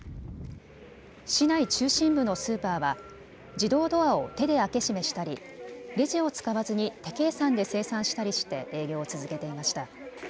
市内中心部のスーパーは自動ドアを手で開け閉めしたりレジを使わずに手計算で精算したりして営業を続けていました。